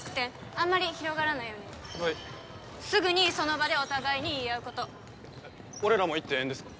あんまり広がらないようにはいすぐにその場でお互いに言い合うこと俺らも言ってええんですか？